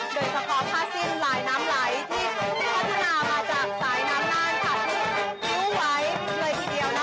โดยกระกอบผ้าสิ้นหลายน้ำไหลที่พัฒนามาจากสายน้ำน่านค่ะที่รู้ไว้เลยอีกเดียวนะคะ